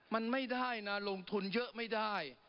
มันไม่ได้นะลงทุนเยอะไม่ได้